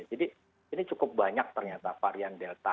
jadi ini cukup banyak ternyata varian delta